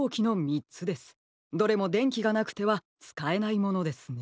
どれもでんきがなくてはつかえないものですね。